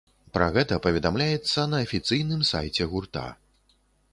Пра гэта паведамляецца на афіцыйным сайце гурта.